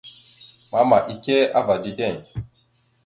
Mama ike ava dideŋ.